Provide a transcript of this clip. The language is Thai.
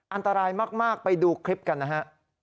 อันตรายมากไปดูคลิปกันนะฮะ